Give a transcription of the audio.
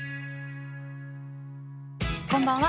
こんばんは。